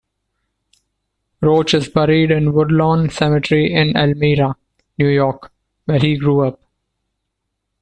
Roach is buried in Woodlawn Cemetery in Elmira, New York, where he grew up.